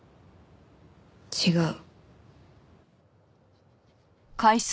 違う。